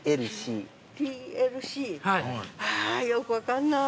あよく分かんない。